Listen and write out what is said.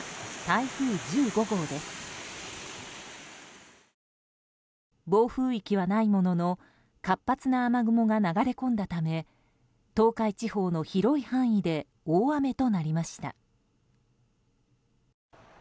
暴風域はないものの活発な雨雲が流れ込んだため東海地方の広い範囲で大雨となりました。